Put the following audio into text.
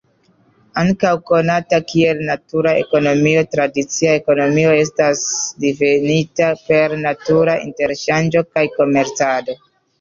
Ankaŭ konata kiel "natura ekonomio", tradicia ekonomio estas difinita per natura interŝanĝo kaj komercado.